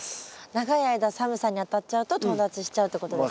長い間寒さにあたっちゃうととう立ちしちゃうってことですね。